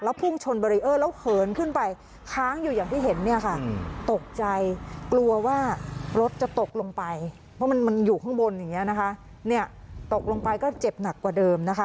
แล้วพุ่งชนแบรีเออร์แล้วเขินขึ้นไป